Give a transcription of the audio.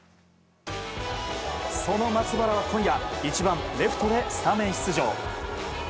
その松原は今夜、１番レフトでスタメン出場。